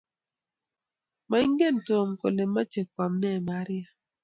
Maingen tom kole machei koam ne maria